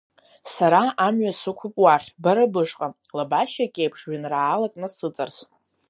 Сара амҩа сықәуп уахь, бара бышҟа, лабашьак еиԥш, жәеинраалак насыҵарс.